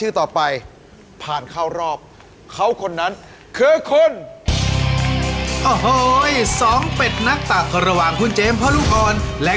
เอากลับบ้านไปเลย